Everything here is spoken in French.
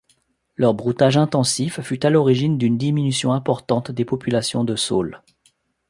Leur broutage intensif fut à l'origine d'une diminution importante des populations de saules.